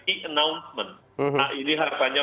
e announcement nah ini harapannya